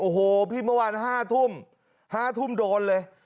โอ้โหพี่เมื่อวาน๕ทุ่ม๕ทุ่มโดนเลย